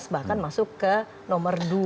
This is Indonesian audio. dua ribu enam belas bahkan masuk ke nomor dua